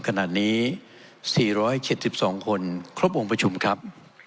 ขนาดนี้๔๗๒คนครบองค์ประชุมครับ